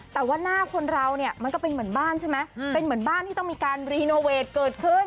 แต่ว่าหน้าคนเราเนี่ยมันก็เป็นเหมือนบ้านใช่ไหมเป็นเหมือนบ้านที่ต้องมีการรีโนเวทเกิดขึ้น